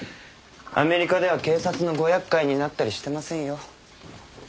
アメリカでは警察のご厄介になったりしてませんよ。